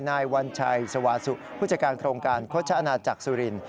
นายวัญชัยสวาสุผู้จัดการโครงการโฆษอาณาจักรสุรินทร์